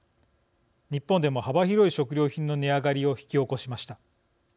日本でも幅広い食料品の値上がりを引き起こしました。